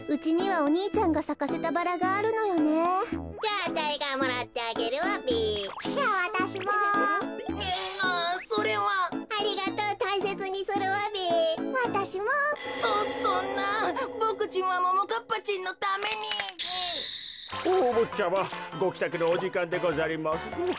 おおぼっちゃまごきたくのおじかんでござりますぞ。